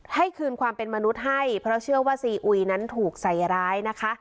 ให้คืนความเป็นมนุษย์ให้เพราะเชื่อว่าซีอุยนั้นถูกใส่ร้ายนะคะ